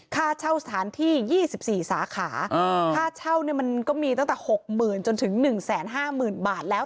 ค่าเช่าสถานที่๒๔สาขาค่าเช่าเนี่ยมันก็มีตั้งแต่๖๐๐๐จนถึง๑๕๐๐๐บาทแล้ว